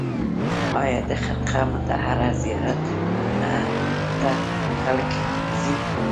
آیا د خرقه مطهره زیارت ته خلک ځي؟